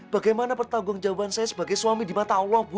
bagaimana pertanggung jawaban saya sebagai suami di mata allah bu